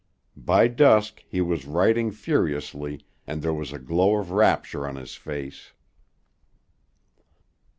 By dusk, he was writing furiously and there was a glow of rapture on his face.